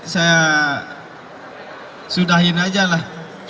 saya sudahin saja lah